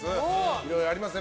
いろいろありますね